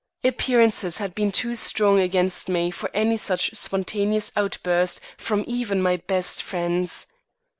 Appearances had been too strong against me for any such spontaneous outburst from even my best friends.